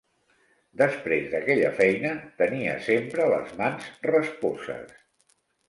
Després d'aquella feina tenia sempre les mans rasposes.